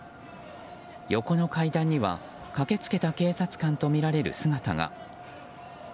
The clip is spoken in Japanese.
横の階段には駆けつけた警察官とみられる姿が。